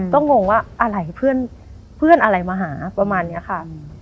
ก็งงว่าอะไรเพื่อนอะไรมาหาประมาณนี้ค่ะ